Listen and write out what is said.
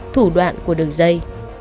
thủ đoạn của đường dây